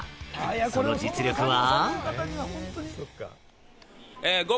その実力は？